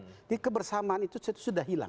jadi kebersamaan itu sudah hilang